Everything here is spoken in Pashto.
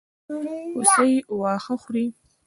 هوسۍ واښه خوري.